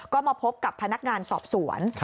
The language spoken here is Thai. ก็มาพบกับพนักงานสอบสวน